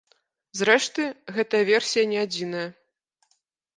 Зрэшты, гэтая версія не адзіная.